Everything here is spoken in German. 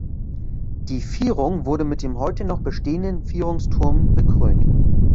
Die Vierung wurde mit dem heute noch bestehenden Vierungsturm bekrönt.